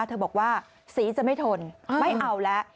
เธอบอกว่าสีจะไม่ทนไม่เอาแล้ว